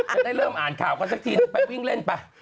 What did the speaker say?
ไม่ได้เริ่มอ่านข่าวก็จากทีนี้ไปวิ่งเล่นไป